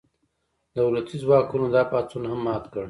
دولتي ځواکونو دا پاڅون هم مات کړ.